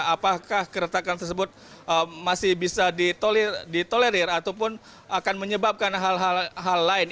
apakah keretakan tersebut masih bisa ditolerir ataupun akan menyebabkan hal hal lain